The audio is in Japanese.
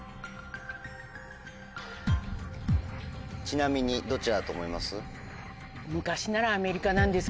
ちなみにどちらだと思います？